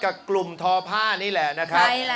กับกลุ่มทอผ้านี่แหละนะครับ